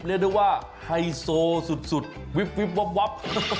เรียกได้ว่าไฮโซสุดสุดวิบวิบวับวับ